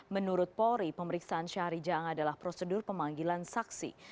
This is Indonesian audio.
menurut polri pemeriksaan syahri jaang adalah prosedur pemanggilan saksi